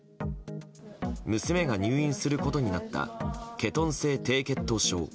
娘が入院することになったケトン性低血糖症。